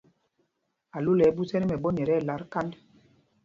Álula ɛ́ ɛ́ ɓūs ɛ́ tí mɛɓɔ̄ nyɛ tí ɛlat kānd.